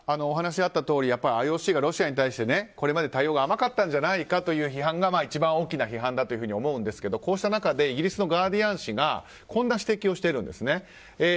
お話があったとおりＩＯＣがロシアに対してこれまで対応が甘かったんじゃないかという批判が一番大きな批判だと思いますがこうした中、イギリスのガーディアン紙がこんな指摘をしています。